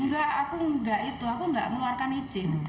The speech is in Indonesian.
enggak aku enggak itu aku nggak mengeluarkan izin